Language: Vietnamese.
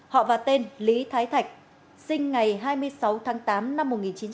họ và tên lý thái thạch sinh ngày hai mươi sáu tháng tám năm một nghìn chín trăm bảy mươi